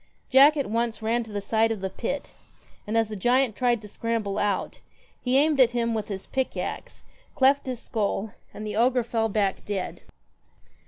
ack at once ran to the side of the pit, and as the giant tried to scramble out, he aimed at him with his pick axe, cleft his skull, and the ogre fell back dead.